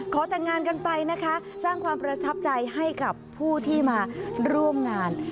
ขอแต่งงานกันไปนะคะสร้างความประทับใจให้กับผู้ที่มาร่วมงาน